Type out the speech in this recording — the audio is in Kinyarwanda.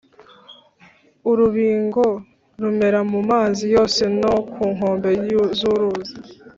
Urubingo rumera mu mazi yose no ku nkombe z’uruzi,